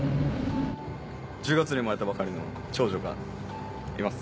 １０月に生まれたばかりの長女がいます。